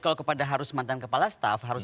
kalau kepada harus mantan kepala staff harus